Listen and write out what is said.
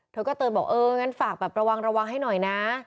เธอก็เตือนบอกเอองั้นฝากแบบระวังระวังให้หน่อยนะ